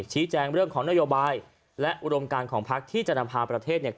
ชี้แจงเรื่องของนโยบายและอุดมการของพักที่จะนำพาประเทศเนี่ย